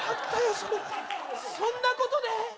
それそんなことで？